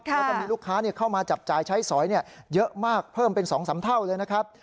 แล้วก็มีลูกค้าเข้ามาจับจ่ายใช้สอยเยอะมากเพิ่มเป็น๒๓เท่าเลยนะครับ